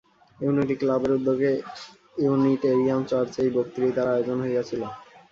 Unity ক্লাবের উদ্যোগে Unitarian চার্চ-এ এই বক্তৃতার আয়োজন হইয়াছিল।